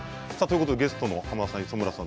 ゲストの濱田さん、磯村さん